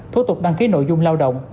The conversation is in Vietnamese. thủ tục đăng ký nội dung lao động